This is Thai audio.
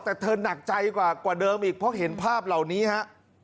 แต่เธอหนักใจกว่าเดิมอีกเพราะเห็นภาพเหล่านี้ฮะ